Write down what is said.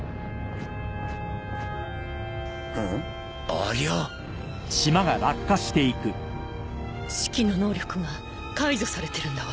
ありゃシキの能力が解除されてるんだわ